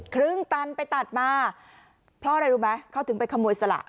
ครึ่งตันไปตัดมาเพราะอะไรรู้ไหมเขาถึงไปขโมยสละ